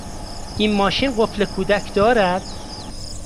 این ماشین قفل کودک دارد؟